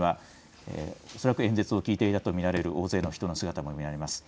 恐らく演説を聞いていていると見られる大勢の人の姿も見られます。